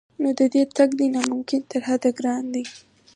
نو د دې تګ دی نا ممکن تر حده ګران دی